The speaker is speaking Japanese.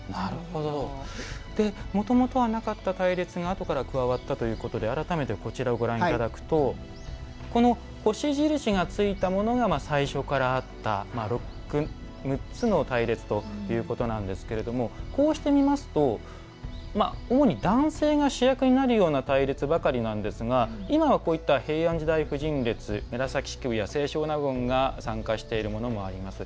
もともとはなかった隊列があとから加わったということでご覧いただくとこの星印がついたものが最初からあった６つの隊列ということなんですがこうして見ますと主に男性が主役になるような隊列ばかりなんですが、今は平安時代婦人列紫式部や清少納言が参加しているものもあります。